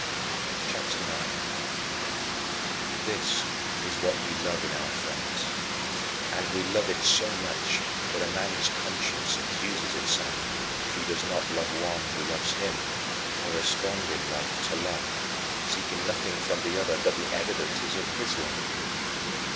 CHAPTER IX 14. This is what we love in our friends, and we love it so much that a man's conscience accuses itself if he does not love one who loves him, or respond in love to love, seeking nothing from the other but the evidences of his love.